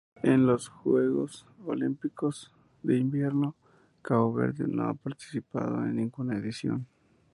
En los Juegos Olímpicos de Invierno Cabo Verde no ha participado en ninguna edición.